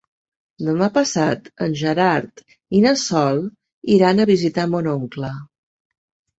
Demà passat en Gerard i na Sol iran a visitar mon oncle.